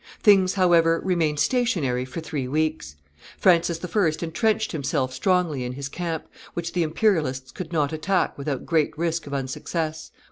Things, however, remained stationary for three weeks. Francis I. intrenched himself strongly in his camp, which the Imperialists could not attack without great risk of unsuccess.